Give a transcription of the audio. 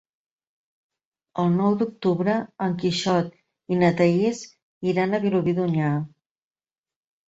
El nou d'octubre en Quixot i na Thaís iran a Vilobí d'Onyar.